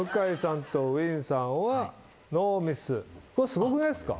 すごくないっすか？